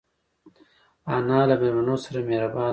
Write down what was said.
انا له مېلمنو سره مهربانه ده